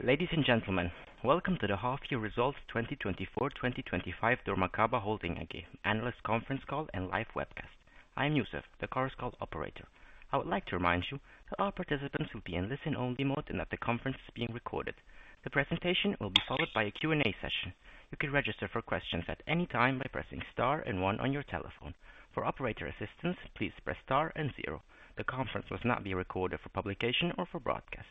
Ladies and gentlemen, welcome to the half-year results 2024-2025 dormakaba Holding analyst conference call and live webcast. I'm Youssef, the Conference Call Operator. I would like to remind you that all participants will be in listen-only mode and that the conference is being recorded. The presentation will be followed by a Q&A session. You can register for questions at any time by pressing star and one on your telephone. For operator assistance, please press star and zero. The conference will not be recorded for publication or for broadcast.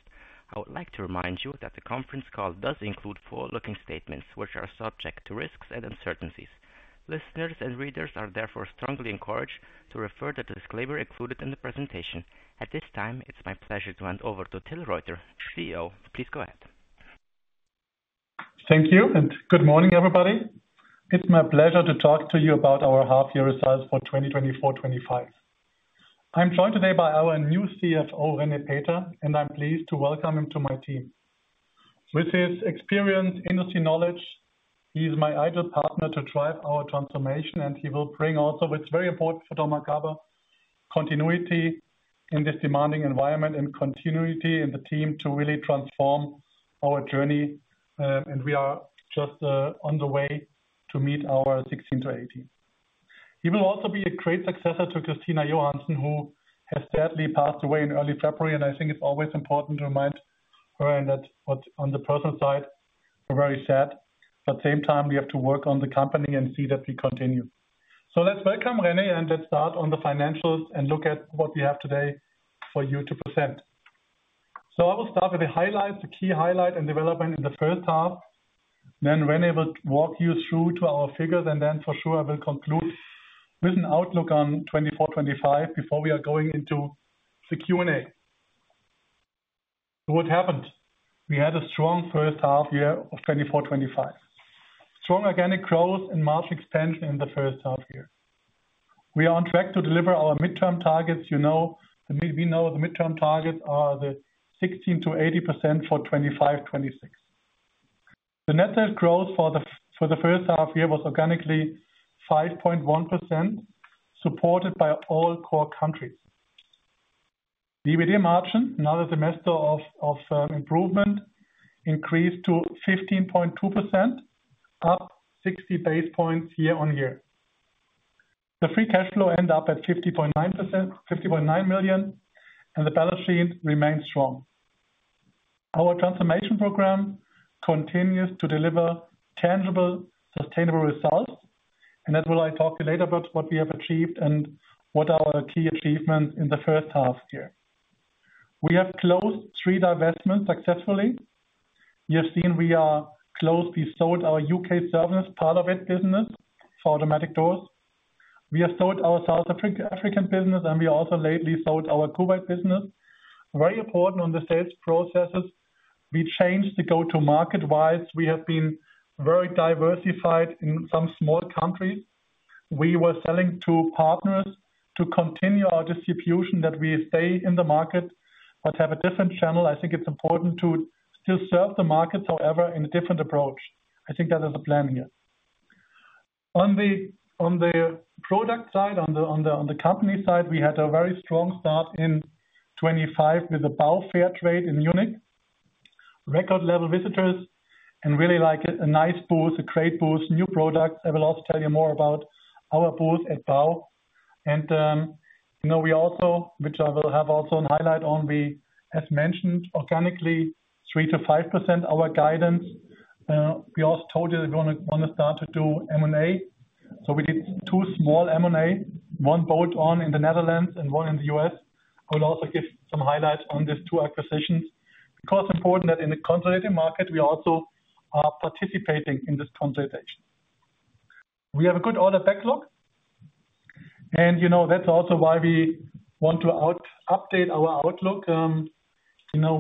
I would like to remind you that the conference call does include forward-looking statements which are subject to risks and uncertainties. Listeners and readers are therefore strongly encouraged to refer to the disclaimer included in the presentation. At this time, it's my pleasure to hand over to Till Reuter, CEO. Please go ahead. Thank you and good morning, everybody. It's my pleasure to talk to you about our half-year results for 2024-25. I'm joined today by our new CFO, René Peter, and I'm pleased to welcome him to my team. With his experience, industry knowledge, he's my ideal partner to drive our transformation, and he will bring also what's very important for dormakaba: continuity in this demanding environment and continuity in the team to really transform our journey, and we are just on the way to meet our 16 to 18. He will also be a great successor to Christina Johansson, who has sadly passed away in early February, and I think it's always important to remind her that on the personal side, we're very sad, but at the same time, we have to work on the company and see that we continue. So let's welcome René and let's start on the financials and look at what we have today for you to present. So I will start with the highlights, the key highlight and development in the first half. Then René will walk you through to our figures, and then for sure I will conclude with an outlook on 2024-2025 before we are going into the Q&A. So what happened? We had a strong first half year of 2024-2025, strong organic growth and margin expansion in the first half year. We are on track to deliver our midterm targets. You know we know the midterm targets are the 16% to 18% for 2025-2026. The net growth for the first half year was organically 5.1%, supported by all core countries. EBITDA margin, another semester of improvement, increased to 15.2%, up 60 basis points year on year. The free cash flow ended up at 50.9 million, and the balance sheet remained strong. Our transformation program continues to deliver tangible, sustainable results, and that I will talk to you later about what we have achieved and what our key achievements in the first half year. We have closed three divestments successfully. You have seen we have closed, we sold our UK service, part of the business for automatic doors. We have sold our South African business, and we also lately sold our Kuwait business. Very important on the sales processes, we changed the go-to-market wise. We have been very diversified in some small countries. We were selling to partners to continue our distribution, that we stay in the market but have a different channel. I think it's important to still serve the markets, however, in a different approach. I think that is the plan here. On the product side, on the company side, we had a very strong start in 2025 with the BAU trade fair in Munich. Record-level visitors and really like a nice boost, a great boost, new products. I will also tell you more about our booth at BAU. And we also, which I will have also a highlight on, we, as mentioned, organically 3%-5% our guidance. We also told you we want to start to do M&A. So we did two small M&A, one bought one in the Netherlands and one in the U.S. I will also give some highlights on these two acquisitions. Of course, important that in the consolidating market, we also are participating in this consolidation. We have a good order backlog, and that's also why we want to update our outlook.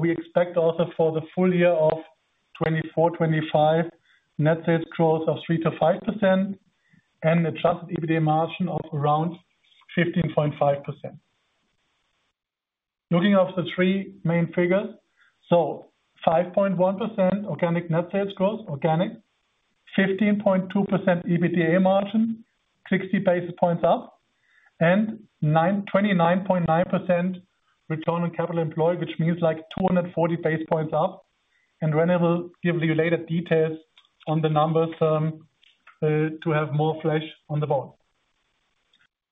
We expect also for the full year of 2024-2025, net sales growth of 3%-5% and an adjusted EBITDA margin of around 15.5%. Looking at the three main figures, so 5.1% organic net sales growth, organic, 15.2% adjusted EBITDA margin, 60 basis points up, and 29.9% return on capital employed, which means like 240 basis points up. René will give you later details on the numbers to have more flesh on the bones.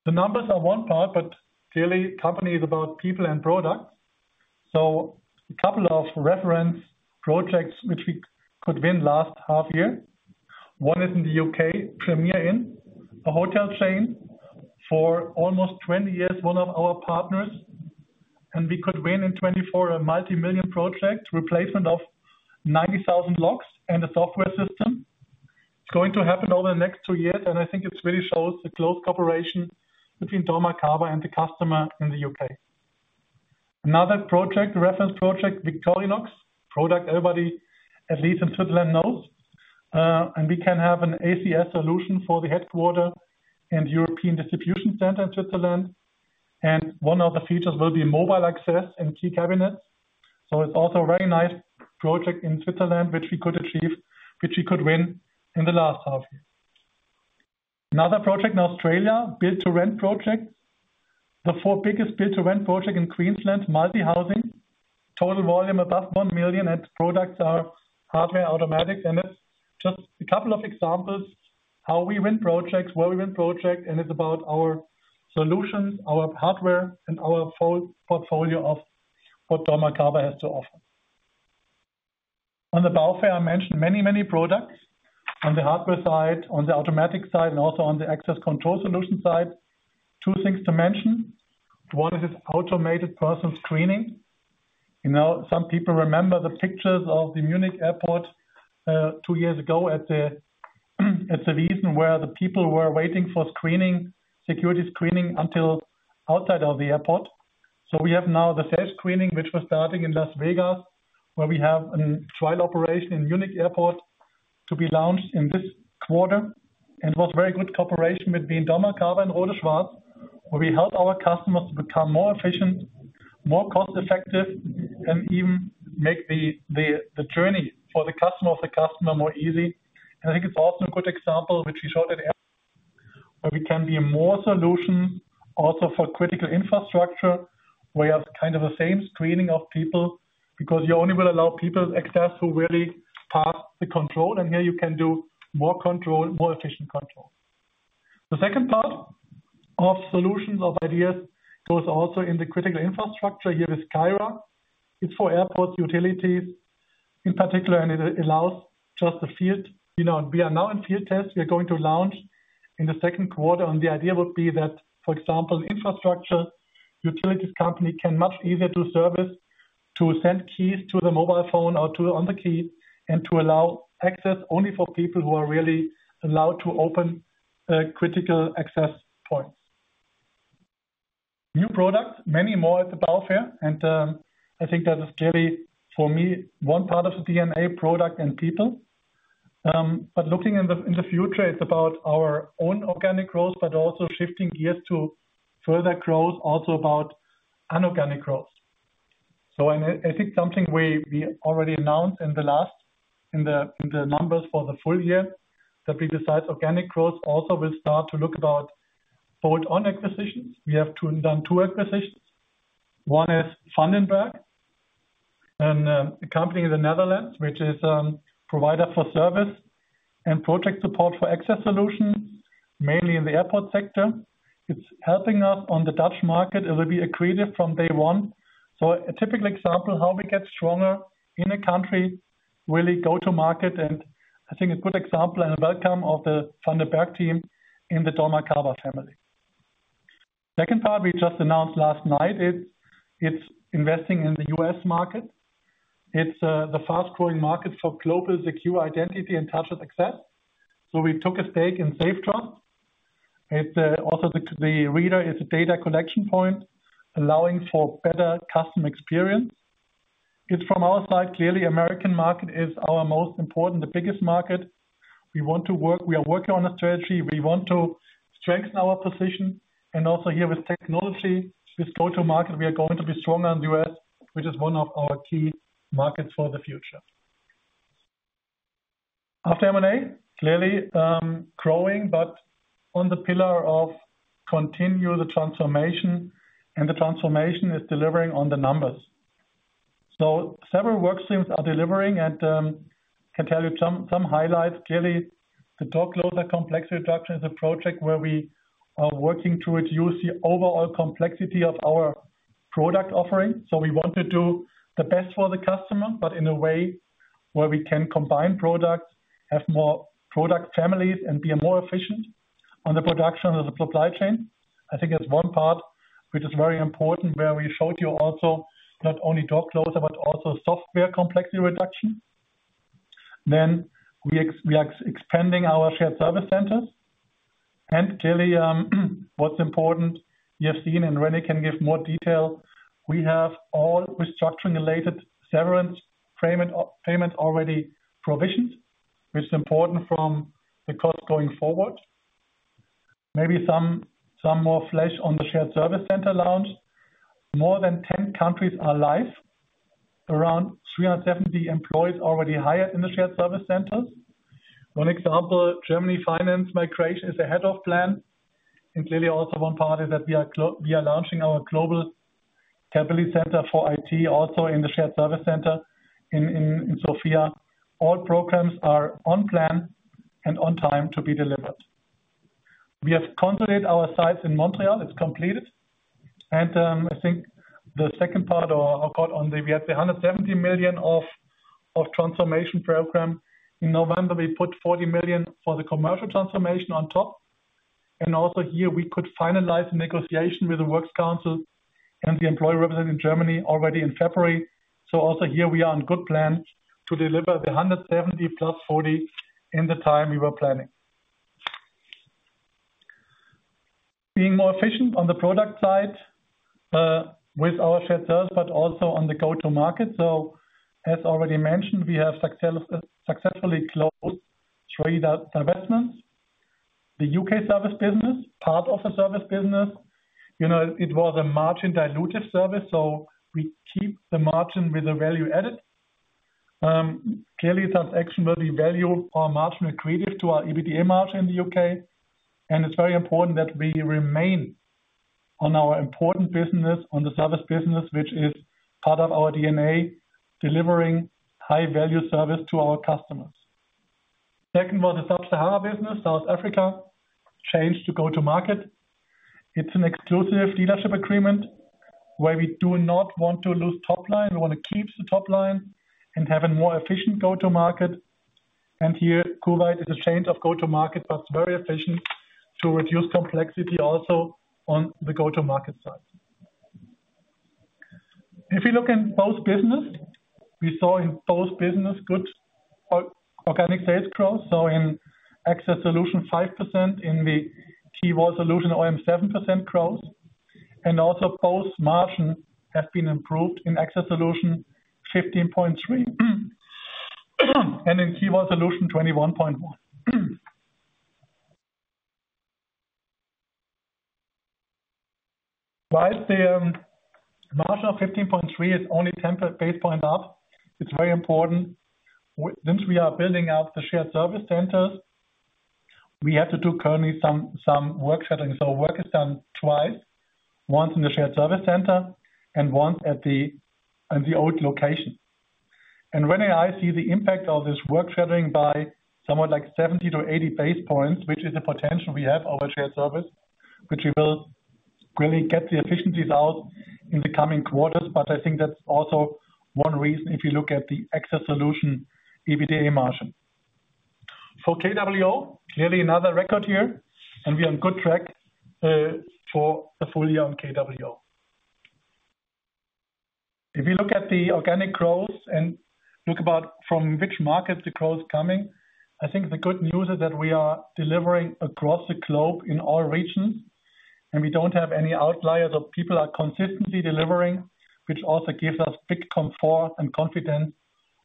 The numbers are one part, but clearly company is about people and products. A couple of reference projects which we could win last half year. One is in the U.K., Premier Inn, a hotel chain for almost 20 years, one of our partners. We could win in 2024 a multimillion project, replacement of 90,000 locks and a software system. It's going to happen over the next two years, and I think it really shows the close cooperation between dormakaba and the customer in the U.K. Another project, reference project: Victorinox, product everybody at least in Switzerland knows. We can have an ACS solution for the headquarters and European distribution center in Switzerland. One of the features will be mobile access and key cabinets. So it's also a very nice project in Switzerland which we could achieve, which we could win in the last half year. Another project in Australia, build-to-rent projects. The four biggest build-to-rent projects in Queensland, multi-housing, total volume above 1 million and products are hardware automatics. It's just a couple of examples how we win projects, where we win projects, and it's about our solutions, our hardware, and our portfolio of what dormakaba has to offer. On the BAU fair, I mentioned many, many products on the hardware side, on the automatic side, and also on the access control solution side. Two things to mention. One is this automated person screening. Some people remember the pictures of the Munich airport two years ago at the Wiesn where the people were waiting for screening, security screening until outside of the airport. So we have now the security screening, which was starting in Las Vegas, where we have a trial operation in Munich airport to be launched in this quarter, and it was very good cooperation between dormakaba and Rohde & Schwarz, where we helped our customers to become more efficient, more cost-effective, and even make the journey for the customer of the customer more easy, and I think it's also a good example which we showed at. Where we can be more solutions also for critical infrastructure, where you have kind of the same screening of people because you only will allow people access who really pass the control, and here you can do more control, more efficient control. The second part of solutions of ideas goes also in the critical infrastructure here with Kaba. It's for airport utilities in particular, and it allows just the field. We are now in field test. We are going to launch in the second quarter, and the idea would be that, for example, infrastructure utilities company can much easier do service to send keys to the mobile phone or to an e-key and to allow access only for people who are really allowed to open critical access points. New products, many more at the BAU fair, and I think that is clearly for me one part of the DNA product and people. But looking in the future, it's about our own organic growth, but also shifting gears to further growth, also about inorganic growth. So I think something we already announced in the last in the numbers for the full year that we decide organic growth also will start to look about bolt-on acquisitions. We have done two acquisitions. One is Van den Berg, a company in the Netherlands which is a provider for service and project support for access solutions, mainly in the airport sector. It's helping us on the Dutch market. It will be accretive from day one. So a typical example how we get stronger in a country, really go to market, and I think a good example and welcome of the Van den Berg team in the dormakaba family. Second part we just announced last night, it's investing in the U.S. market. It's the fast-growing market for global secure identity and touchless access. So we took a stake in Safetrust. Also the reader is a data collection point, allowing for better customer experience. It's from our side, clearly American market is our most important, the biggest market. We want to work, we are working on a strategy. We want to strengthen our position, and also here with technology, with go-to-market, we are going to be stronger in the U.S., which is one of our key markets for the future. After M&A, clearly growing, but on the pillar of continue the transformation, and the transformation is delivering on the numbers, so several workstreams are delivering, and I can tell you some highlights. Clearly, the door closers complexity reduction is a project where we are working to reduce the overall complexity of our product offering. So we want to do the best for the customer, but in a way where we can combine products, have more product families, and be more efficient on the production of the supply chain. I think that's one part which is very important where we showed you also not only door closers, but also software complexity reduction, then we are expanding our shared service centers, and clearly what's important, you have seen and René can give more detail, we have all restructuring-related severance payments already provisioned, which is important from the cost going forward. Maybe some more flesh on the shared service center launch. More than 10 countries are live, around 370 employees already hired in the shared service centers. One example, Germany finance migration is ahead of plan, and clearly also one part is that we are launching our global capability center for IT also in the shared service center in Sofia. All programs are on plan and on time to be delivered. We have consolidated our sites in Montreal. It's completed, and I think the second part of our call, on the, we had the 170 million of transformation program. In November, we put 40 million for the commercial transformation on top, and also here we could finalize the negotiation with the works council and the employee representative in Germany already in February. So also here we are on good plan to deliver the 170 plus 40 in the time we were planning. Being more efficient on the product side with our shared service, but also on the go-to-market. So as already mentioned, we have successfully closed three divestments. The U.K. service business, part of the service business. It was a margin dilutive service, so we keep the margin with the value added. Clearly, transaction will be value or margin accretive to our EBITDA margin in the U.K. And it's very important that we remain on our important business, on the service business, which is part of our DNA, delivering high-value service to our customers. Second was the sub-Saharan business, South Africa, changed to go-to-market. It's an exclusive dealership agreement where we do not want to lose top line. We want to keep the top line and have a more efficient go-to-market. And here Kuwait is a change of go-to-market, but very efficient to reduce complexity also on the go-to-market side. If you look in both business, we saw in both business good organic sales growth. So in Access Solutions, 5%, in the Key & Wall Solutions, 7% growth. And also both margin have been improved in Access Solutions, 15.3%, and in Key & Wall Solutions, 21.1%. While the margin of 15.3% is only 10 basis points up, it's very important. Since we are building out the shared service centers, we have to do currently some work shadowing. So work is done twice, once in the shared service center and once at the old location. And René and I see the impact of this work shadowing by somewhere like 70 to 80 basis points, which is the potential we have over shared service, which we will really get the efficiencies out in the coming quarters. But I think that's also one reason if you look at the Access Solutions EBITDA margin. For KWS, clearly another record here, and we are on good track for the full year on KWS. If you look at the organic growth and look about from which markets the growth is coming, I think the good news is that we are delivering across the globe in all regions, and we don't have any outliers or people are consistently delivering, which also gives us big comfort and confidence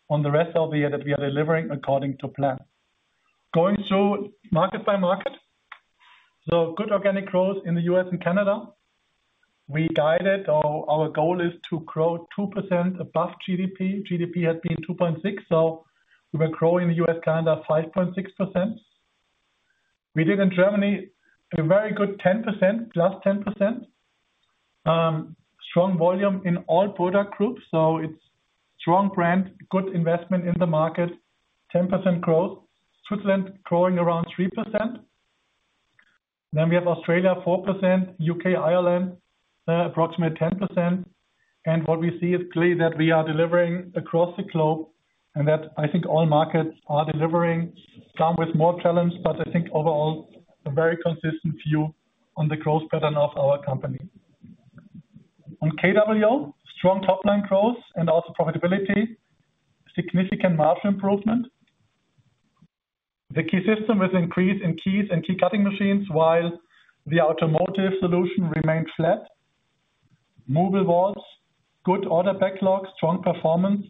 on the rest of the year that we are delivering according to plan. Going through market by market, so good organic growth in the U.S. and Canada. We guided our goal is to grow 2% above GDP. GDP has been 2.6, so we were growing in the U.S., Canada, 5.6%. We did in Germany a very good 10%, plus 10%. Strong volume in all product groups, so it's strong brand, good investment in the market, 10% growth. Switzerland growing around 3%. Then we have Australia, 4%, UK, Ireland, approximately 10%. And what we see is clearly that we are delivering across the globe and that I think all markets are delivering. Some with more challenge, but I think overall a very consistent view on the growth pattern of our company. On KWS, strong top line growth and also profitability, significant margin improvement. The key system with increase in keys and key cutting machines while the automotive solution remained flat. Mobile walls, good order backlog, strong performance.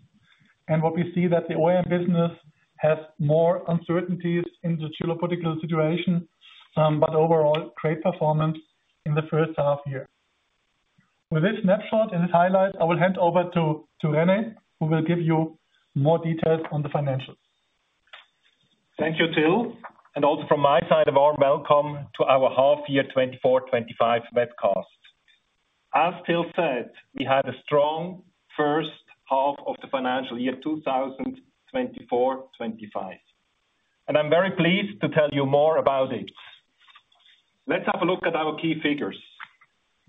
And what we see that the OEM business has more uncertainties in the geopolitical situation, but overall great performance in the first half year. With this snapshot and this highlight, I will hand over to René, who will give you more details on the financials. Thank you, Till. And also from my side, a warm welcome to our half-year 2024-25 webcast. As Till said, we had a strong first half of the financial year 2024-25. And I'm very pleased to tell you more about it. Let's have a look at our key figures.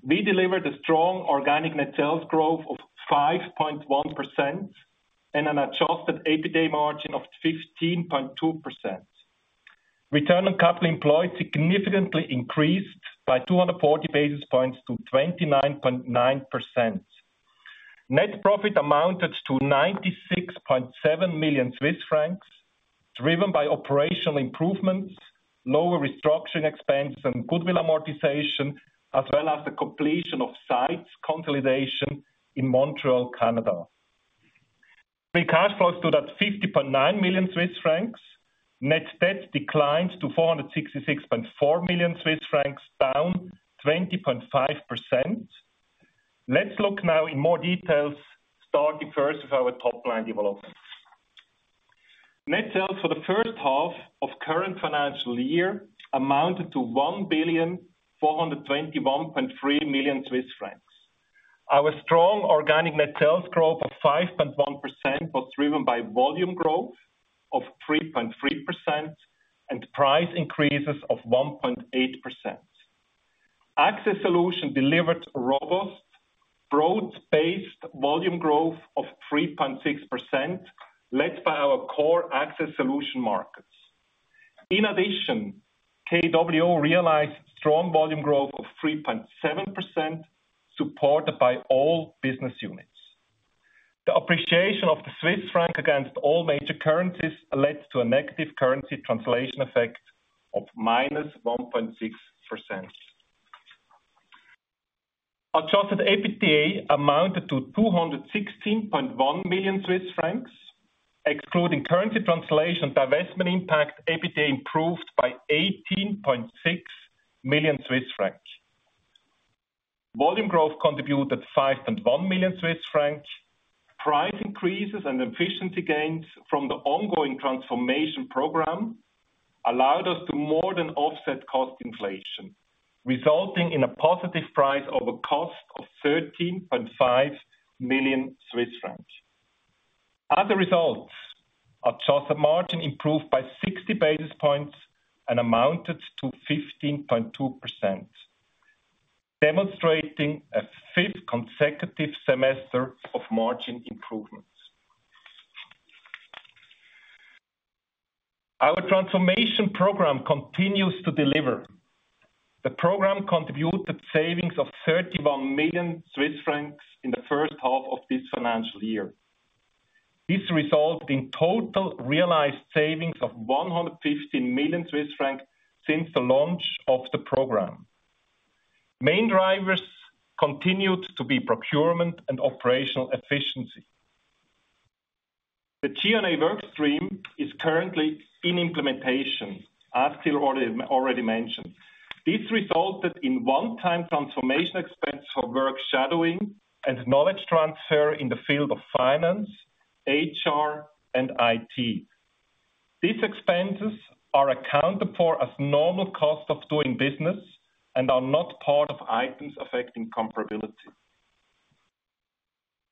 We delivered a strong organic net sales growth of 5.1% and an adjusted EBITDA margin of 15.2%. Return on capital employed significantly increased by 240 basis points to 29.9%. Net profit amounted to 96.7 million Swiss francs, driven by operational improvements, lower restructuring expenses, and goodwill amortization, as well as the completion of sites consolidation in Montreal, Canada. We cash flowed to that 50.9 million Swiss francs. Net debt declined to 466.4 million Swiss francs, down 20.5%. Let's look now in more details, starting first with our top line developments. Net sales for the first half of current financial year amounted to 1,421.3 million Swiss francs. Our strong organic net sales growth of 5.1% was driven by volume growth of 3.3% and price increases of 1.8%. Access Solutions delivered robust, broad-based volume growth of 3.6%, led by our core Access Solutions markets. In addition, Key & Wall Solutions realized strong volume growth of 3.7%, supported by all business units. The appreciation of the Swiss franc against all major currencies led to a negative currency translation effect of minus 1.6%. Adjusted EBITDA amounted to 216.1 million Swiss francs. Excluding currency translation, divestment impact EBITDA improved by 18.6 million Swiss francs. Volume growth contributed 5.1 million Swiss francs. Price increases and efficiency gains from the ongoing transformation program allowed us to more than offset cost inflation, resulting in a positive price over cost of 13.5 million Swiss francs. As a result, adjusted margin improved by 60 basis points and amounted to 15.2%, demonstrating a fifth consecutive semester of margin improvements. Our transformation program continues to deliver. The program contributed savings of 31 million Swiss francs in the first half of this financial year. This resulted in total realized savings of 115 million Swiss francs since the launch of the program. Main drivers continued to be procurement and operational efficiency. The G&A workstream is currently in implementation, as Till already mentioned. This resulted in one-time transformation expense for work shadowing and knowledge transfer in the field of finance, HR, and IT. These expenses are accounted for as normal cost of doing business and are not part of items affecting comparability.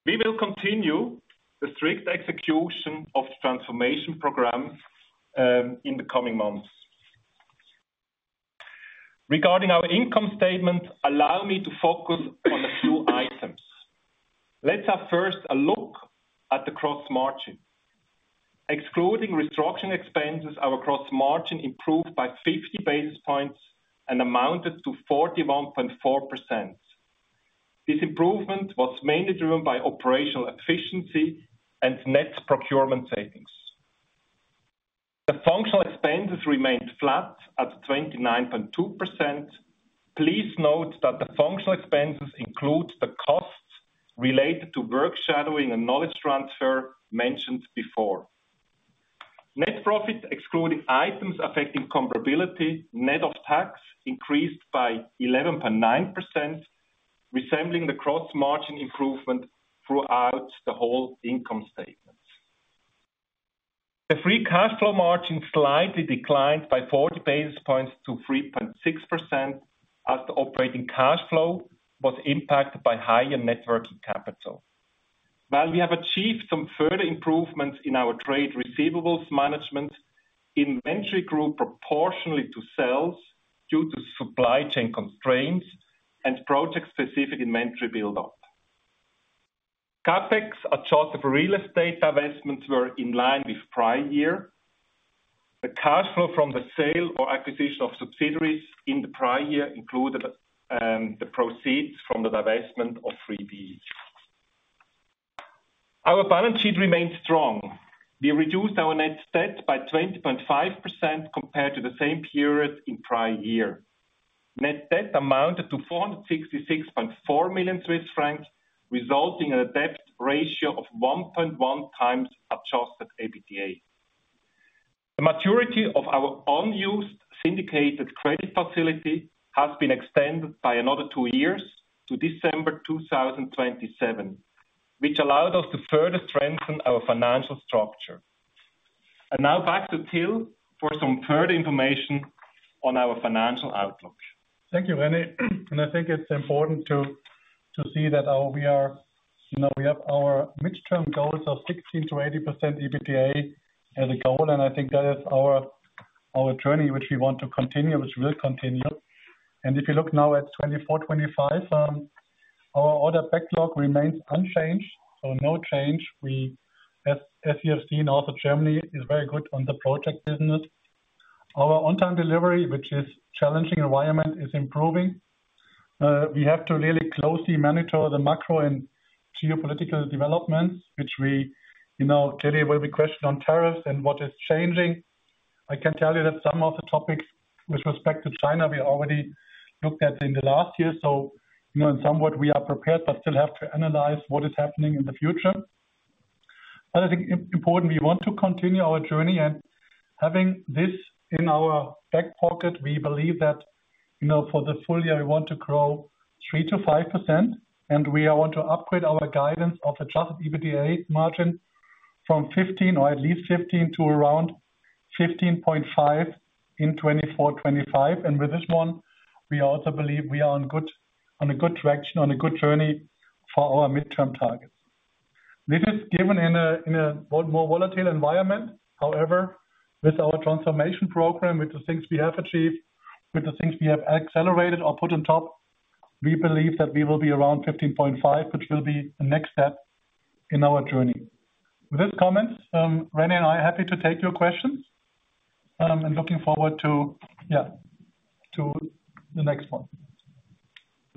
We will continue the strict execution of the transformation programs in the coming months. Regarding our income statement, allow me to focus on a few items. Let's have first a look at the gross margin. Excluding restructuring expenses, our gross margin improved by 50 basis points and amounted to 41.4%. This improvement was mainly driven by operational efficiency and net procurement savings. The functional expenses remained flat at 29.2%. Please note that the functional expenses include the costs related to work shadowing and knowledge transfer mentioned before. Net profit, excluding items affecting comparability, net of tax, increased by 11.9%, resembling the gross margin improvement throughout the whole income statement. The free cash flow margin slightly declined by 40 basis points to 3.6% as the operating cash flow was impacted by higher net working capital. While we have achieved some further improvements in our trade receivables management, inventory grew proportionally to sales due to supply chain constraints and project-specific inventory buildup. CapEx adjusted for real estate divestments were in line with prior year. The cash flow from the sale or acquisition of subsidiaries in the prior year included the proceeds from the divestment of 3B. Our balance sheet remained strong. We reduced our net debt by 20.5% compared to the same period in prior year. Net debt amounted to 466.4 million Swiss francs, resulting in a debt ratio of 1.1 times adjusted EBITDA. The maturity of our unused syndicated credit facility has been extended by another two years to December 2027, which allowed us to further strengthen our financial structure. Now back to Till for some further information on our financial outlook. Thank you, René. I think it's important to see that we have our midterm goals of 16%-18% EBITDA as a goal. I think that is our journey, which we want to continue, which we'll continue. If you look now at 2024-25, our order backlog remains unchanged, so no change. As you have seen, also Germany is very good on the project business. Our on-time delivery, which is a challenging environment, is improving. We have to really closely monitor the macro and geopolitical developments, which we clearly will be questioned on tariffs and what is changing. I can tell you that some of the topics with respect to China we already looked at in the last year. So in some way, we are prepared, but still have to analyze what is happening in the future. But I think it's important we want to continue our journey. And having this in our back pocket, we believe that for the full year, we want to grow 3-5%. And we want to upgrade our guidance of Adjusted EBITDA margin from 15% or at least 15% to around 15.5% in 2024-2025. And with this one, we also believe we are on a good traction, on a good journey for our midterm targets. This is given in a more volatile environment. However, with our transformation program, with the things we have achieved, with the things we have accelerated or put on top, we believe that we will be around 15.5%, which will be the next step in our journey. With these comments, René and I are happy to take your questions. I'm looking forward to the next one.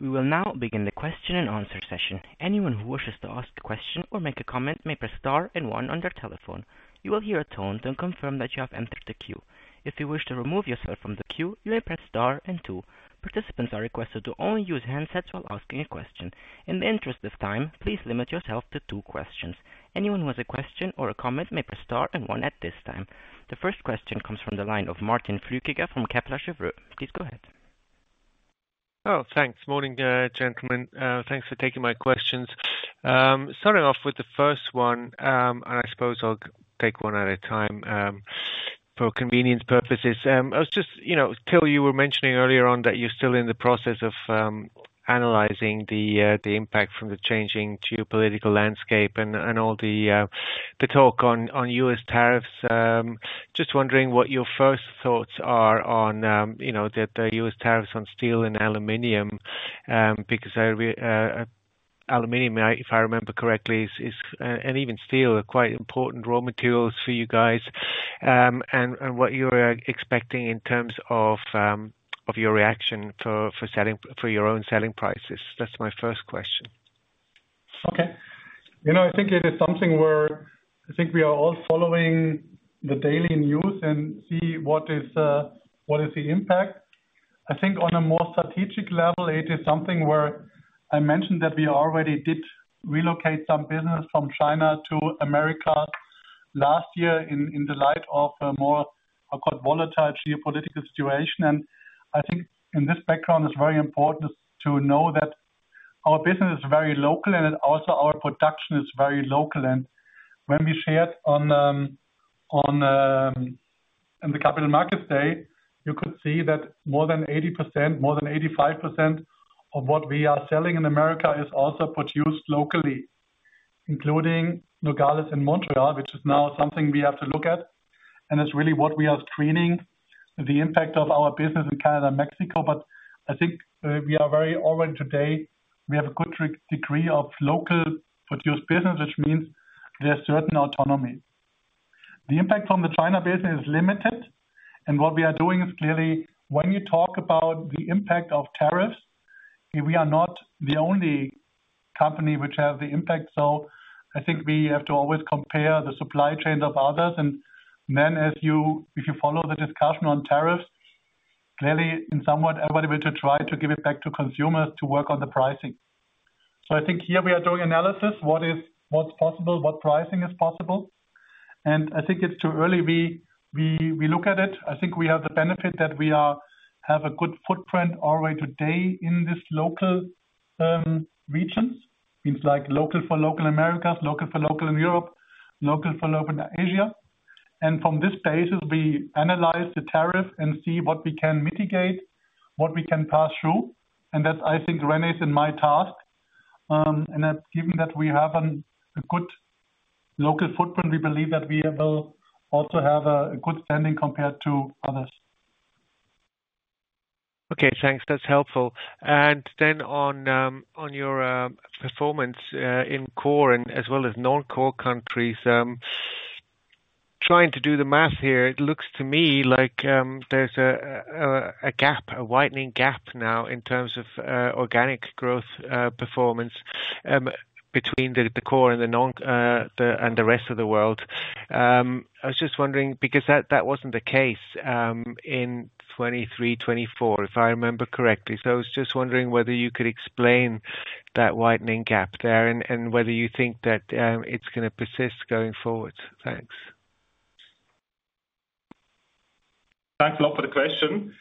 We will now begin the question and answer session. Anyone who wishes to ask a question or make a comment may press star and one on their telephone. You will hear a tone to confirm that you have entered the queue. If you wish to remove yourself from the queue, you may press star and two. Participants are requested to only use handsets while asking a question. In the interest of time, please limit yourself to two questions. Anyone who has a question or a comment may press star and one at this time. The first question comes from the line of Martin Flueckiger from Kepler Cheuvreux. Please go ahead. Oh, thanks. Morning, gentlemen. Thanks for taking my questions. Starting off with the first one, and I suppose I'll take one at a time for convenience purposes. Till, you were mentioning earlier on that you're still in the process of analyzing the impact from the changing geopolitical landscape and all the talk on U.S. tariffs. Just wondering what your first thoughts are on the U.S. tariffs on steel and aluminum, because aluminum, if I remember correctly, and even steel, are quite important raw materials for you guys. And what you're expecting in terms of your reaction for your own selling prices. That's my first question. Okay. I think it is something where I think we are all following the daily news and see what is the impact. I think on a more strategic level, it is something where I mentioned that we already did relocate some business from China to America last year in the light of a more volatile geopolitical situation, and I think in this background, it's very important to know that our business is very local and also our production is very local, and when we shared on the Capital Markets Day. You could see that more than 80%, more than 85% of what we are selling in America is also produced locally, including Nogales and Montreal, which is now something we have to look at, and it's really what we are screening, the impact of our business in Canada and Mexico, but I think we are very already today, we have a good degree of local produced business, which means there's certain autonomy. The impact from the China business is limited. And what we are doing is clearly, when you talk about the impact of tariffs, we are not the only company which has the impact. So I think we have to always compare the supply chains of others. And then, if you follow the discussion on tariffs, clearly in some way, everybody will try to give it back to consumers to work on the pricing. So I think here we are doing analysis, what's possible, what pricing is possible. And I think it's too early we look at it. I think we have the benefit that we have a good footprint already today in these local regions, means like local for local Americas, local for local in Europe, local for local in Asia. And from this basis, we analyze the tariff and see what we can mitigate, what we can pass through. And that's, I think, René's and my task. And given that we have a good local footprint, we believe that we will also have a good standing compared to others. Okay, thanks. That's helpful. And then on your performance in core and as well as non-core countries, trying to do the math here, it looks to me like there's a gap, a widening gap now in terms of organic growth performance between the core and the rest of the world. I was just wondering, because that wasn't the case in 2023-2024, if I remember correctly. So I was just wondering whether you could explain that widening gap there and whether you think that it's going to persist going forward. Thanks. Thanks a lot for the question.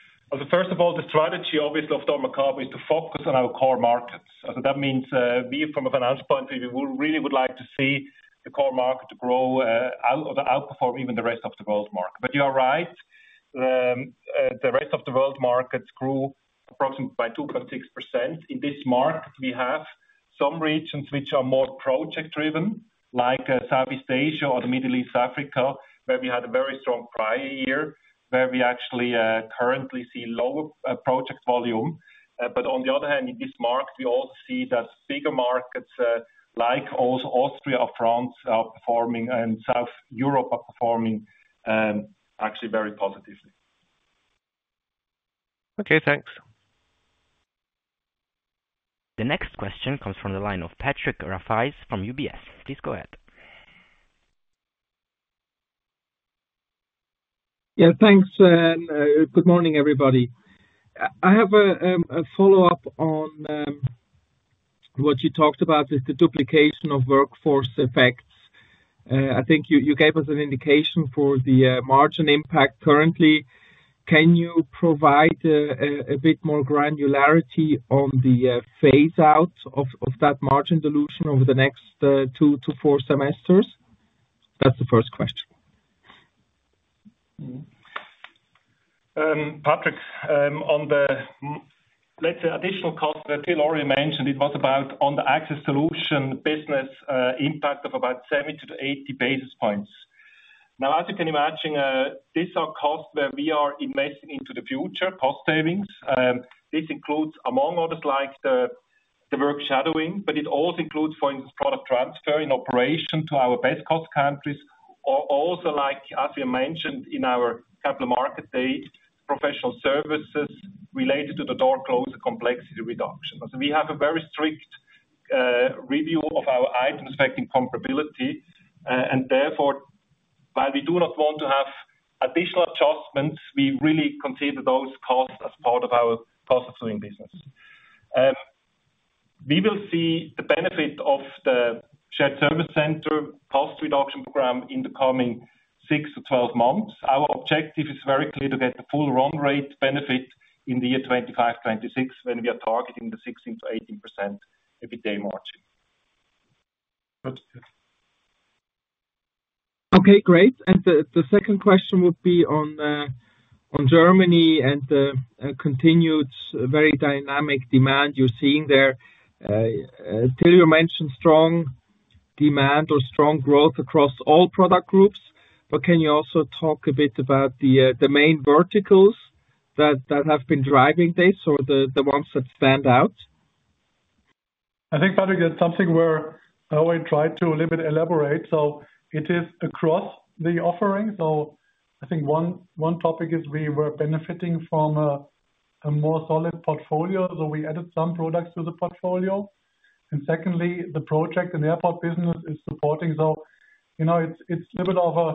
First of all, the strategy obviously of dormakaba is to focus on our core markets. That means we, from a finance point of view, really would like to see the core market to grow out of the outperform even the rest of the world market. But you are right. The rest of the world markets grew approximately by 2.6%. In this market, we have some regions which are more project-driven, like Southeast Asia or the Middle East, Africa, where we had a very strong prior year, where we actually currently see lower project volume. But on the other hand, in this market, we also see that bigger markets like Austria or France are performing and South Europe are performing actually very positively. Okay, thanks. The next question comes from the line of Patrick Rafaisz from UBS. Please go ahead. Yeah, thanks. Good morning, everybody. I have a follow-up on what you talked about, the duplication of workforce effects. I think you gave us an indication for the margin impact currently. Can you provide a bit more granularity on the phase-out of that margin dilution over the next two to four semesters? That's the first question. Patrick, on the, let's say, additional costs that Till already mentioned, it was about on the access solution business impact of about 70 to 80 basis points. Now, as you can imagine, these are costs where we are investing into the future, cost savings. This includes, among others, like the work shadowing, but it also includes, for instance, product transfer in operation to our best cost countries, or also, as we mentioned in our Capital Markets Day, professional services related to the door closer complexity reduction. We have a very strict review of our items affecting comparability. And therefore, while we do not want to have additional adjustments, we really consider those costs as part of our cost of doing business. We will see the benefit of the shared service center cost reduction program in the coming six to 12 months. Our objective is very clear to get the full run rate benefit in the year 2025-2026 when we are targeting the 16%-18% EBITDA margin. Okay, great. And the second question would be on Germany and the continued very dynamic demand you're seeing there. Till, you mentioned strong demand or strong growth across all product groups, but can you also talk a bit about the main verticals that have been driving this or the ones that stand out? I think, Patrick, that's something where I always try to a little bit elaborate. So it is across the offering. So I think one topic is we were benefiting from a more solid portfolio. So we added some products to the portfolio. And secondly, the project and airport business is supporting. So it's a little bit of a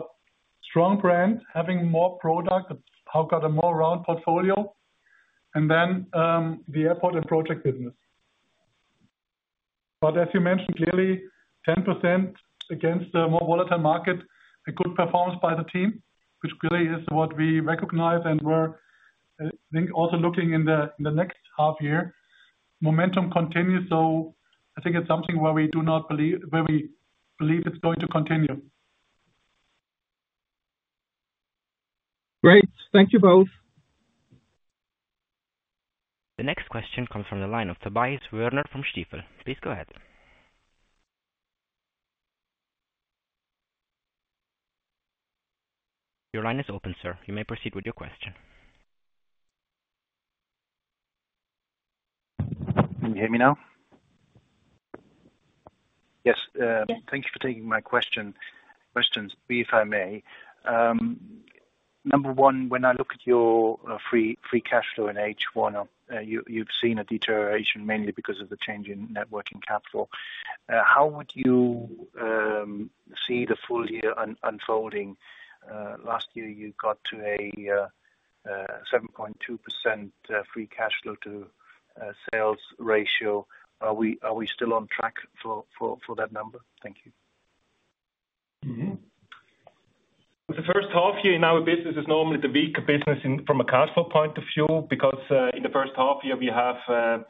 strong brand, having more products, we've got a more round portfolio. And then the airport and project business. But as you mentioned, clearly, 10% against a more volatile market, a good performance by the team, which clearly is what we recognize and we're also looking in the next half year. Momentum continues. So I think it's something where we believe it's going to continue. Great. Thank you both. The next question comes from the line of Tobias Woerner from Stifel. Please go ahead. Your line is open, sir. You may proceed with your question. Can you hear me now? Yes. Thank you for taking my questions, if I may. Number one, when I look at your free cash flow in H1, you've seen a deterioration mainly because of the change in net working capital. How would you see the full year unfolding? Last year, you got to a 7.2% free cash flow to sales ratio. Are we still on track for that number? Thank you. The first half year in our business is normally the weaker business from a cash flow point of view because in the first half year, we have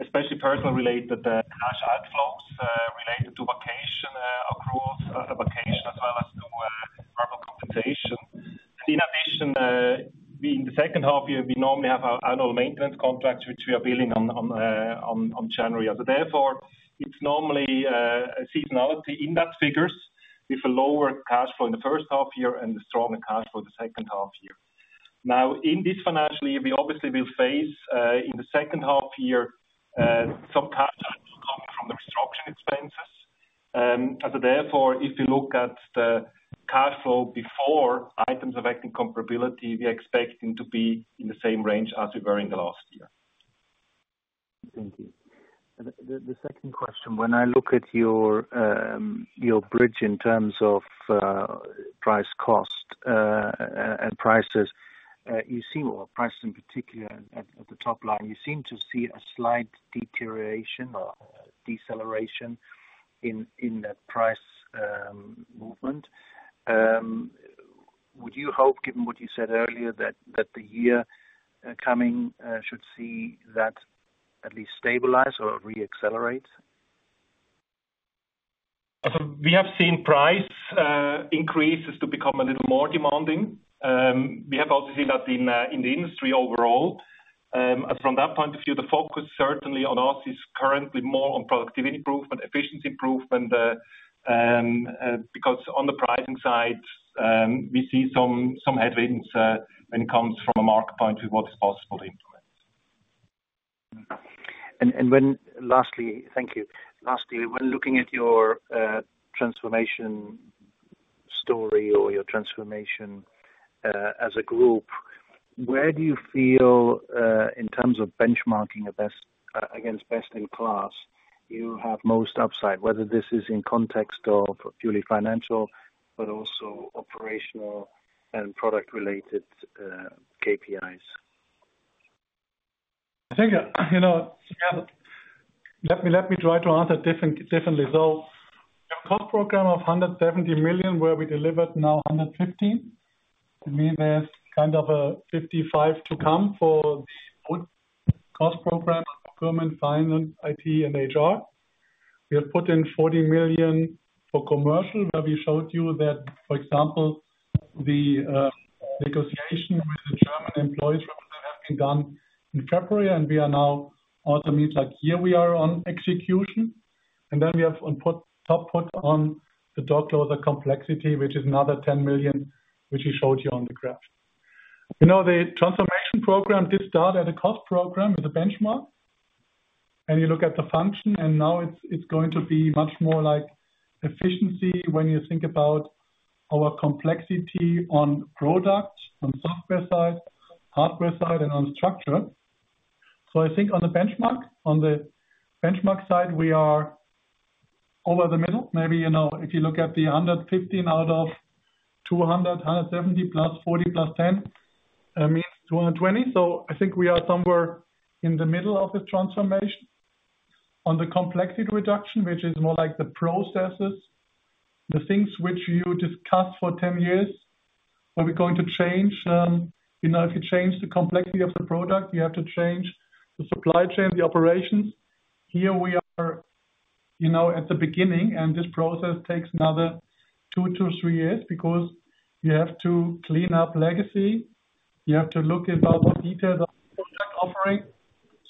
especially personnel-related cash outflows related to vacation, accrued vacation, as well as to variable compensation. And in addition, in the second half year, we normally have our annual maintenance contracts, which we are billing in January. So therefore, it's normally a seasonality in those figures with a lower cash flow in the first half year and a stronger cash flow in the second half year. Now, in this financial year, we obviously will face in the second half year some cash outflow coming from the restructuring expenses. And so therefore, if you look at the cash flow before items affecting comparability, we're expecting to be in the same range as we were in the last year. Thank you. The second question, when I look at your bridge in terms of price cost and prices, you seem or price in particular at the top line, you seem to see a slight deterioration or deceleration in that price movement. Would you hope, given what you said earlier, that the year coming should see that at least stabilize or reaccelerate? We have seen price increases to become a little more demanding. We have also seen that in the industry overall. From that point of view, the focus certainly on us is currently more on productivity improvement, efficiency improvement, because on the pricing side, we see some headwinds when it comes from a market point of view, what is possible to implement. And lastly, thank you. Lastly, when looking at your transformation story or your transformation as a group, where do you feel in terms of benchmarking against best in class you have most upside, whether this is in context of purely financial, but also operational and product-related KPIs? I think, let me try to answer differently. So we have a cost program of 170 million where we delivered now 115. To me, there's kind of a 55 to come for the good cost program for procurement, finance, IT, and HR. We have put in 40 million for commercial, where we showed you that, for example, the negotiation with the German employees have been done in February, and we are now also means like here we are on execution. And then we have to put on the door closer complexity, which is another 10 million, which we showed you on the graph. The transformation program did start at a cost program as a benchmark. And you look at the function, and now it's going to be much more like efficiency when you think about our complexity on product, on software side, hardware side, and on structure. So I think on the benchmark side, we are over the middle. Maybe if you look at the 115 out of 200, 170 plus 40 plus 10 means 220. So I think we are somewhere in the middle of the transformation. On the complexity reduction, which is more like the processes, the things which you discussed for 10 years, what we're going to change. If you change the complexity of the product, you have to change the supply chain, the operations. Here we are at the beginning, and this process takes another two to three years because you have to clean up legacy. You have to look at all the details of the product offering.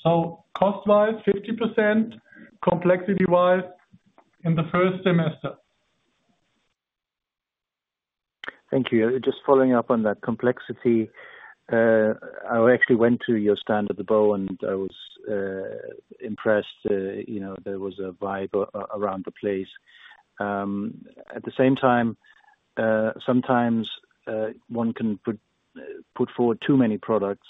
So cost-wise, 50%, complexity-wise in the first semester. Thank you. Just following up on that complexity, I actually went to your stand at the BAU, and I was impressed there was a vibe around the place. At the same time, sometimes one can put forward too many products.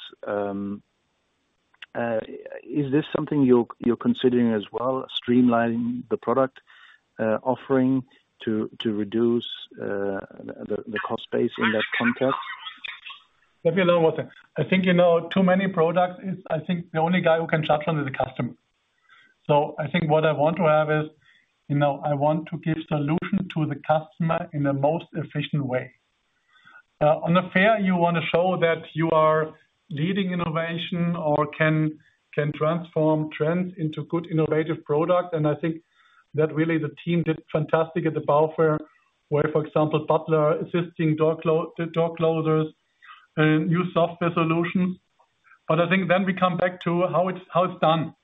Is this something you're considering as well, streamlining the product offering to reduce the cost base in that context? Let me know what I think too many products. I think the only guy who can judge on is the customer. So I think what I want to have is I want to give solution to the customer in the most efficient way. On the fair, you want to show that you are leading innovation or can transform trends into good innovative products, and I think that really the team did fantastic at the BAU fair, where, for example, batter-assisted door closers and new software solutions. I think then we come back to how it's done,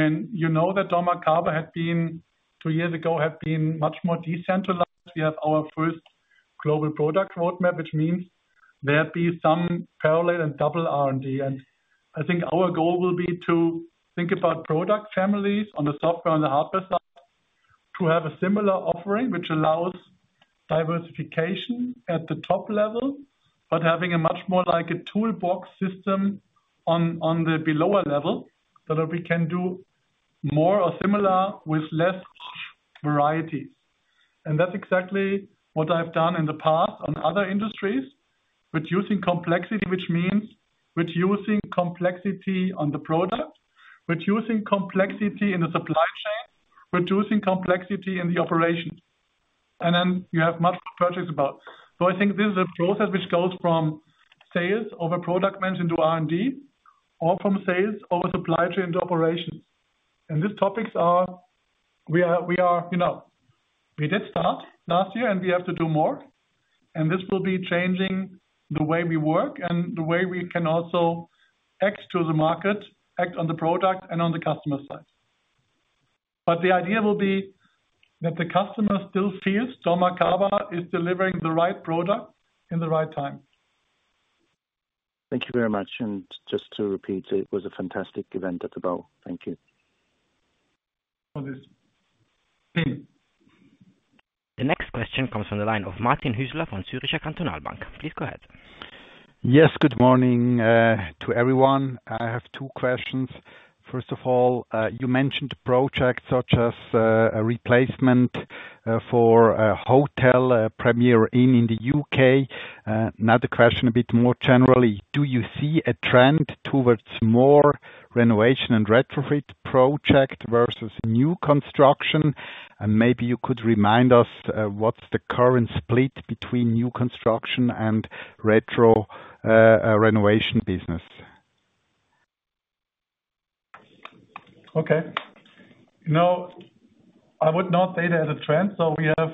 and you know that dormakaba had been two years ago much more decentralized. We have our first global product roadmap, which means there'd be some parallel and double R&D. I think our goal will be to think about product families on the software and the hardware side to have a similar offering which allows diversification at the top level, but having a much more like a toolbox system on the lower level that we can do more or similar with less variety. That's exactly what I've done in the past on other industries, reducing complexity, which means reducing complexity on the product, reducing complexity in the supply chain, reducing complexity in the operation. Then you have multiple projects about. I think this is a process which goes from sales or product management to R&D or from sales over supply chain to operation. These topics we did start last year, and we have to do more. And this will be changing the way we work and the way we can also react to the market, act on the product and on the customer side. But the idea will be that the customer still feels dormakaba is delivering the right product at the right time. Thank you very much, and just to repeat, it was a fantastic event at the BAU. Thank you to this team. The next question comes from the line of Martin Hüsler from Zürcher Kantonalbank. Please go ahead. Yes, good morning to everyone. I have two questions. First of all, you mentioned projects such as a replacement for a Premier Inn hotel in the UK. Another question a bit more generally. Do you see a trend towards more renovation and retrofit projects versus new construction? And maybe you could remind us what's the current split between new construction and retrofit and renovation business. Okay. I would not say there's a trend. So we have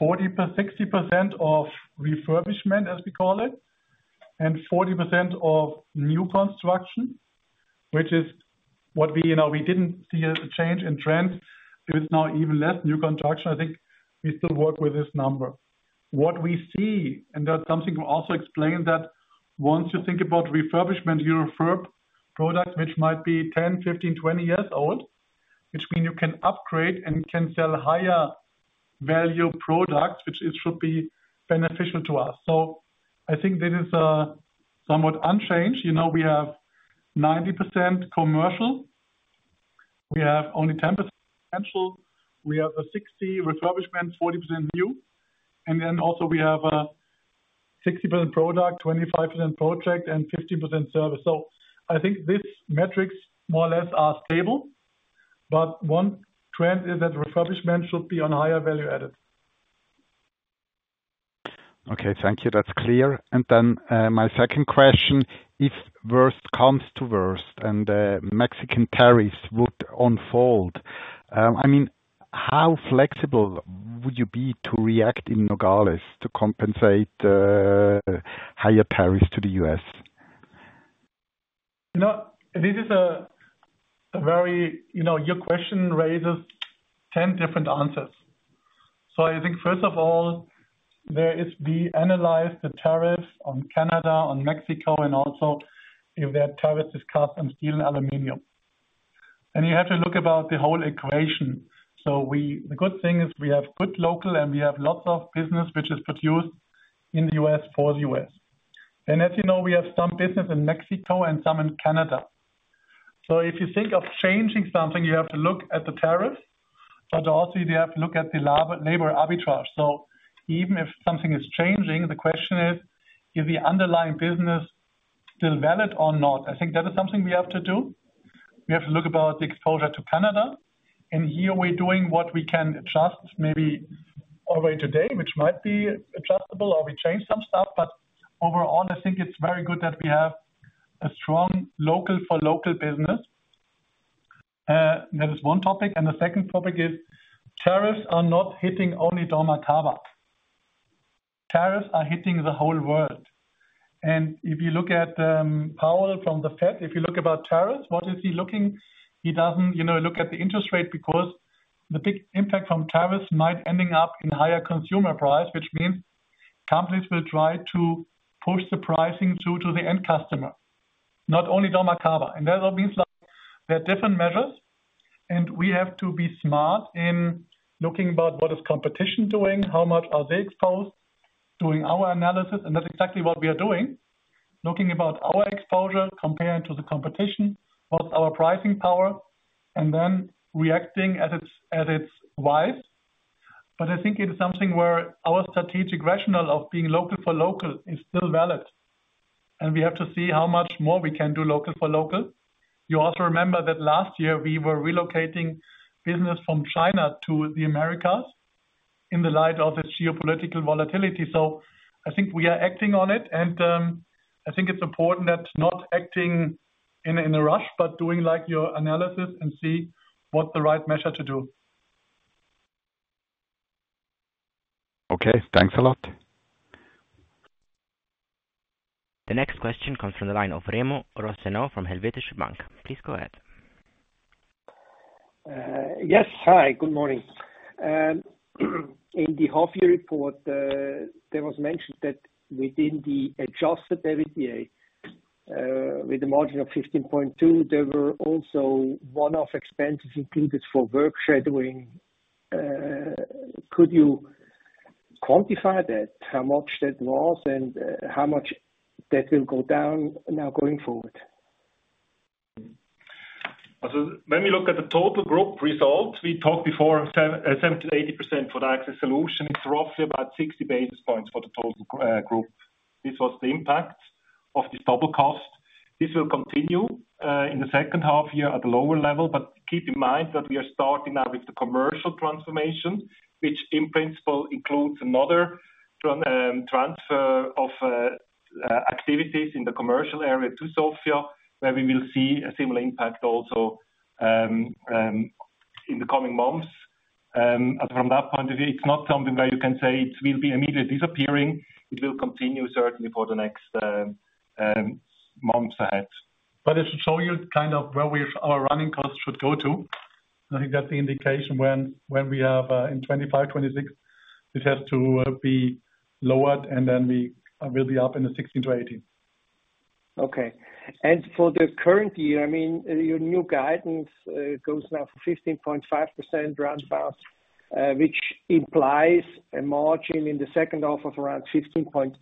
40-60% of refurbishment, as we call it, and 40% of new construction, which is what we didn't see as a change in trends. It's now even less new construction. I think we still work with this number. What we see, and that's something we'll also explain, that once you think about refurbishment, you refurb products, which might be 10, 15, 20 years old, which mean you can upgrade and can sell higher value products, which should be beneficial to us. So I think this is somewhat unchanged. We have 90% commercial. We have only 10% potential. We have a 60% refurbishment, 40% new. And then also we have a 60% product, 25% project, and 15% service. So I think these metrics more or less are stable. But one trend is that refurbishment should be on higher value added. Okay. Thank you. That's clear. And then my second question, if worst comes to worst and Mexican tariffs would unfold, I mean, how flexible would you be to react in Nogales to compensate higher tariffs to the U.S.? This is a very good question. Your question raises 10 different answers. So I think first of all, we analyze the tariffs on Canada, on Mexico, and also if that tariff is cut on steel and aluminum. And you have to look about the whole equation. So the good thing is we have good local and we have lots of business which is produced in the U.S. for the U.S. And as you know, we have some business in Mexico and some in Canada. So if you think of changing something, you have to look at the tariffs, but also you have to look at the labor arbitrage. So even if something is changing, the question is, is the underlying business still valid or not? I think that is something we have to do. We have to look about the exposure to Canada. And here we're doing what we can adjust maybe already today, which might be adjustable or we change some stuff. But overall, I think it's very good that we have a strong local for local business. That is one topic. And the second topic is tariffs are not hitting only dormakaba. Tariffs are hitting the whole world. And if you look at Powell from the Fed, if you look about tariffs, what is he looking? He doesn't look at the interest rate because the big impact from tariffs might end up in higher consumer price, which means companies will try to push the pricing through to the end customer, not only dormakaba, and that means there are different measures, and we have to be smart in looking about what is competition doing, how much are they exposed, doing our analysis, and that's exactly what we are doing, looking about our exposure compared to the competition, what's our pricing power, and then reacting as it's wise, but I think it is something where our strategic rationale of being local for local is still valid, and we have to see how much more we can do local for local. You also remember that last year we were relocating business from China to the Americas in the light of this geopolitical volatility. So I think we are acting on it. And I think it's important that not acting in a rush, but doing your analysis and see what's the right measure to do. Okay. Thanks a lot. The next question comes from the line of Remo Rosenau from Helvetische Bank. Please go ahead. Yes. Hi. Good morning. In the half-year report, there was mention that within the adjusted EBITDA with a margin of 15.2%, there were also one-off expenses included for work shadowing. Could you quantify that, how much that was and how much that will go down now going forward? When we look at the total group result, we talked before 70%-80% for the Access Solutions. It's roughly about 60 basis points for the total group. This was the impact of this double cost. This will continue in the second half year at a lower level. But keep in mind that we are starting now with the commercial transformation, which in principle includes another transfer of activities in the commercial area to Sofia, where we will see a similar impact also in the coming months. From that point of view, it's not something where you can say it will be immediately disappearing. It will continue certainly for the next months ahead. But it should show you kind of where our running costs should go to. I think that's the indication when we have in 2025, 2026, it has to be lowered, and then we will be up in the 16%-18%. Okay. And for the current year, I mean, your new guidance goes now for 15.5% roundabout, which implies a margin in the second half of around 15.8%,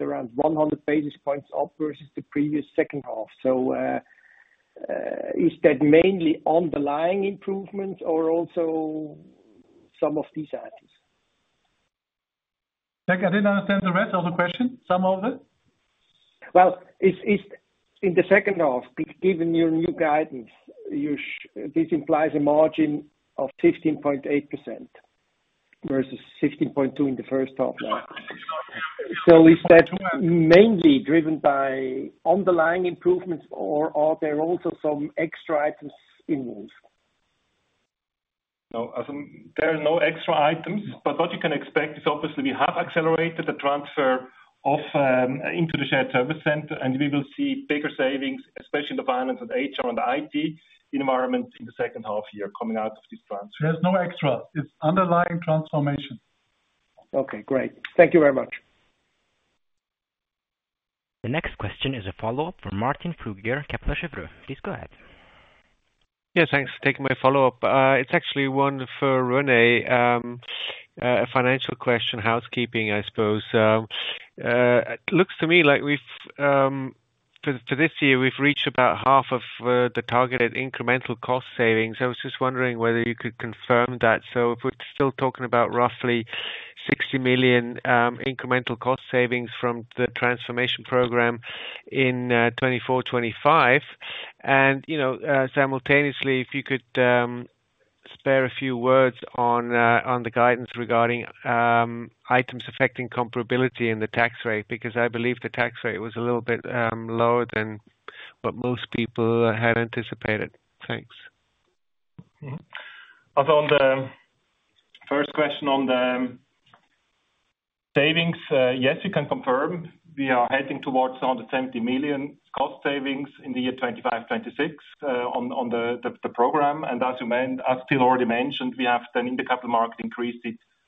around 100 basis points up versus the previous second half. So is that mainly underlying improvements or also some of these items? I didn't understand the rest of the question, some of it. Well, in the second half, given your new guidance, this implies a margin of 15.8% versus 15.2% in the first half now. So is that mainly driven by underlying improvements or are there also some extra items in use? No, there are no extra items. But what you can expect is obviously we have accelerated the transfer into the shared service center, and we will see bigger savings, especially in the finance and HR and IT environment in the second half year coming out of this transfer. There's no extra. It's underlying transformation. Okay. Great. Thank you very much. The next question is a follow-up from Martin Flueckiger, Kepler Cheuvreux. Please go ahead. Yes, thanks for taking my follow-up. It's actually one for René, a financial question, housekeeping, I suppose. It looks to me like for this year, we've reached about half of the targeted incremental cost savings. I was just wondering whether you could confirm that. So if we're still talking about roughly 60 million incremental cost savings from the transformation program in 2024, 2025. And simultaneously, if you could spare a few words on the guidance regarding items affecting comparability and the tax rate, because I believe the tax rate was a little bit lower than what most people had anticipated. Thanks. First question on the savings, yes, you can confirm. We are heading towards 170 million cost savings in the year 2025, 2026 on the program. As you still already mentioned, we have an announced budget increase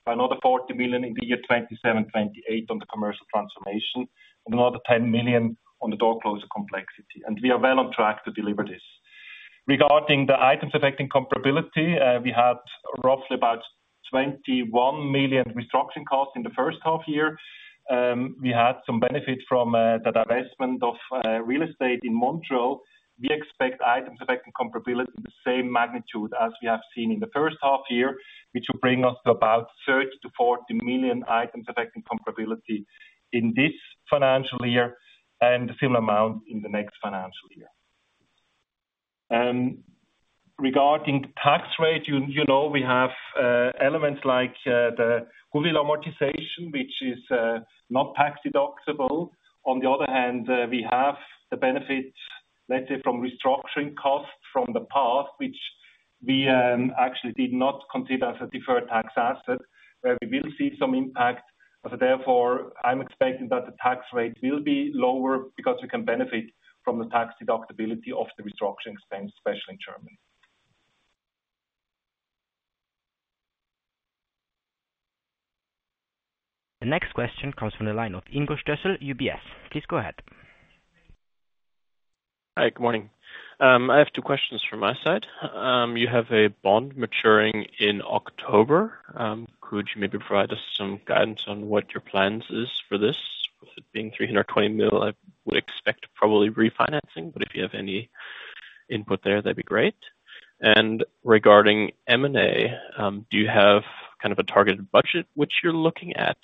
by another 40 million in the years 2027, 2028 on the commercial transformation and another 10 million on the door closer complexity. We are well on track to deliver this. Regarding the items affecting comparability, we had roughly about 21 million restructuring costs in the first half year. We had some benefit from the divestment of real estate in Montreal. We expect items affecting comparability the same magnitude as we have seen in the first half year, which will bring us to about 30 million-40 million items affecting comparability in this financial year and a similar amount in the next financial year. Regarding tax rate, we have elements like the goodwill amortization, which is not tax-deductible. On the other hand, we have the benefits, let's say, from restructuring costs from the past, which we actually did not consider as a deferred tax asset, where we will see some impact. Therefore, I'm expecting that the tax rate will be lower because we can benefit from the tax deductibility of the restructuring expense, especially in Germany. The next question comes from the line of Ingo Stößel, UBS. Please go ahead. Hi. Good morning. I have two questions from my side. You have a bond maturing in October. Could you maybe provide us some guidance on what your plans are for this? With it being 320 million, I would expect probably refinancing, but if you have any input there, that'd be great. And regarding M&A, do you have kind of a targeted budget which you're looking at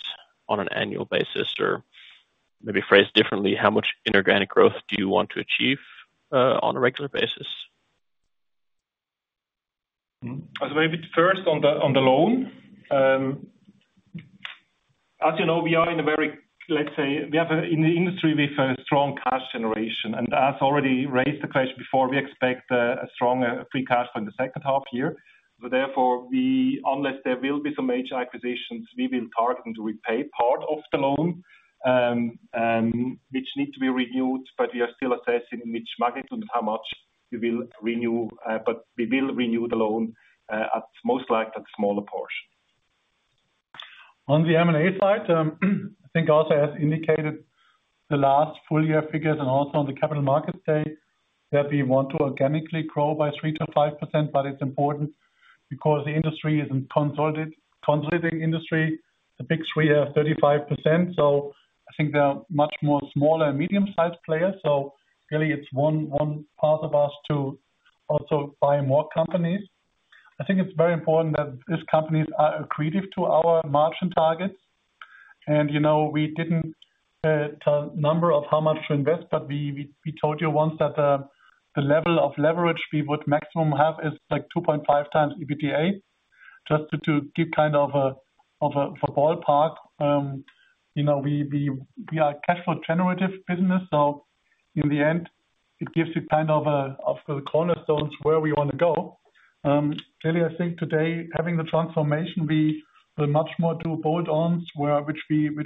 on an annual basis? Or maybe phrased differently, how much inorganic growth do you want to achieve on a regular basis? Maybe first on the loan. As you know, we are in a very, let's say, we have in the industry, we have a strong cash generation. And as already raised the question before, we expect a stronger free cash for the second half year. So therefore, unless there will be some major acquisitions, we will target and repay part of the loan, which needs to be renewed. But we are still assessing which magnitude and how much we will renew. But we will renew the loan, most likely a smaller portion. On the M&A side, I think also as indicated, the last full year figures and also on the Capital Markets Day, that we want to organically grow by 3%-5%. But it's important because the industry is a consolidating industry. The Big Three have 35%. So I think they are much more smaller and medium-sized players. So really, it's one part of us to also buy more companies. I think it's very important that these companies are accretive to our margin targets. And we didn't tell a number of how much to invest, but we told you once that the level of leverage we would maximum have is like 2.5 times EBITDA, just to give kind of a ballpark. We are a cash flow generative business. So in the end, it gives you kind of a cornerstones where we want to go. Clearly, I think today, having the transformation, we will much more do bolt-ons, which we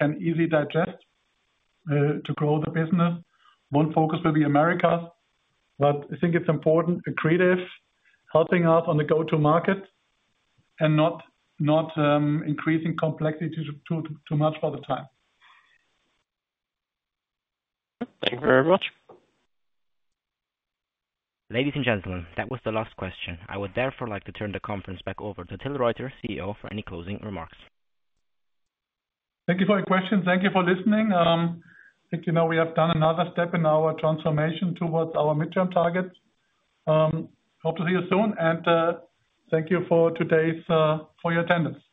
can easily digest to grow the business. One focus will be Americas. But I think it's important acquisition, helping us on the go-to-market and not increasing complexity too much for the time. Thank you very much. Ladies and gentlemen, that was the last question. I would therefore like to turn the conference back over to Till Reuter, CEO, for any closing remarks. Thank you for your questions. Thank you for listening. I think we have done another step in our transformation towards our midterm targets. Hope to see you soon. And thank you for today's for your attendance.